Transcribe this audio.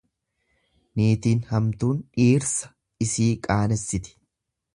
Niitiin hamtuun dhiirsa isii qaanessiti.